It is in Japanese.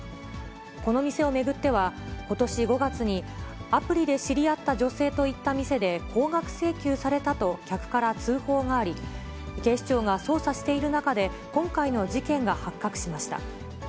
この店を巡っては、ことし５月に、アプリで知り合った女性といった店で高額請求されたと客から通報があり、警視庁が捜査している中で、今回の事件が発覚しました。